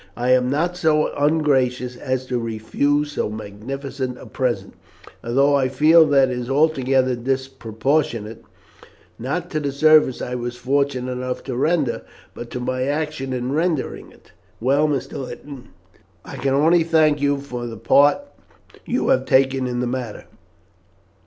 I am not so ungracious as to refuse so magnificent a present, although I feel that it is altogether disproportionate, not to the service I was fortunate enough to render, but to my action in rendering it. Well, Mr. Linton, I can only thank you for the part you have taken in the matter.